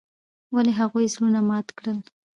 ولې هغوي زړونه مات کړل.